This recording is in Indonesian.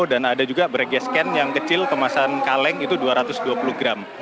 ada yang lima lima kg dan ada juga brake gas can yang kecil kemasan kaleng itu dua ratus dua puluh gram